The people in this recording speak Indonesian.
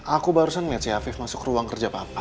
aku barusan melihat si afif masuk ruang kerja papa